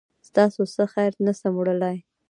ستاسو څخه خير نسم وړلای